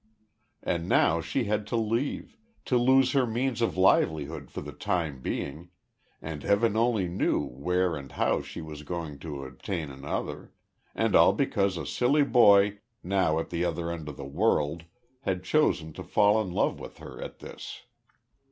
And now she had to leave; to lose her means of livelihood for the time being and Heaven only knew where and how she was going to obtain another and all because a silly boy now at the other end of the world had chosen to fall in love with her at this.